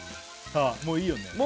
もういいよね